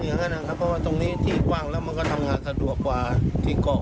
อย่างนั้นครับเพราะว่าตรงนี้ที่กว้างแล้วมันก็ทำงานสะดวกกว่าที่เกาะ